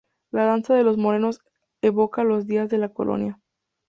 La danza de los morenos evoca los días de la colonia.